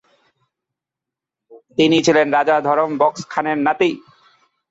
তিনি ছিলেন রাজা ধরম বক্স খানের নাতি।